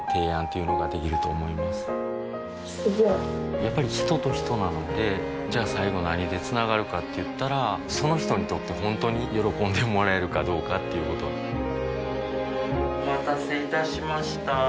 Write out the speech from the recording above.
やっぱり人と人なのでじゃあ最後何でつながるかって言ったらその人にとって本当に喜んでもらえるかどうかっていうことお待たせいたしました。